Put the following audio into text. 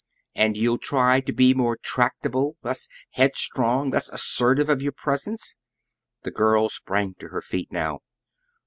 "And you'll try to be more tractable, less headstrong, less assertive of your presence?" The girl sprang to her feet now.